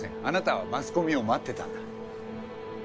あなたはマスコミを待ってたんだ。